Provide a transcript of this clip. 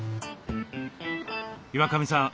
岩上さん